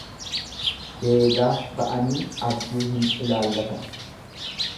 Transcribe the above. Deegaaf ba'anii abjuu hin ilaallatan.